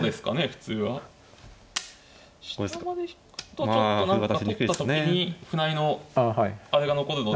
下まで引くとちょっと何か取った時に歩成りのあれが残るので。